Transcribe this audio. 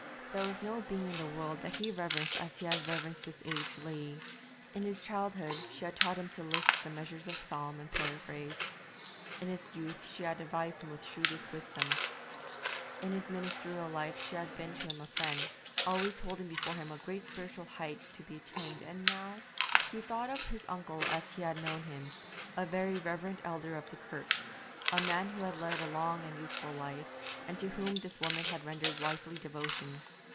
There was no being in the world that he reverenced as he had reverenced this aged lady. In his childhood she had taught him to lisp the measures of psalm and paraphrase; in his youth she had advised him with shrewdest wisdom; in his ministerial life she had been to him a friend, always holding before him a greater spiritual height to be attained, and now He thought upon his uncle as he had known him, a very reverent elder of the kirk, a man who had led a long and useful life, and to whom this woman had rendered wifely devotion.